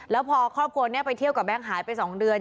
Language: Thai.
แล้วพอครอบครัวนี้ไปเที่ยวกับแก๊งหายไป๒เดือน